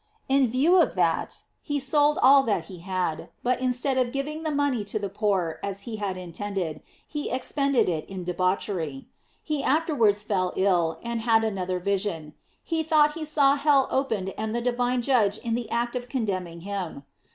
In view of that, lie sold all that he had, but instead of giving the money to the poor, as he had intended, he expended it in de bauchery. He afterwards fell ill, and had another vision; he thought he saw hell opened and the divine Judge in the act of condemning him.